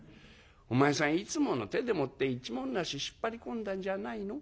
お前さんいつもの手でもって一文無し引っ張り込んだんじゃないの？」。